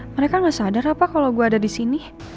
mereka nggak sadar apa kalau gue ada di sini